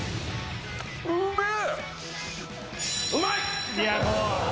うまい！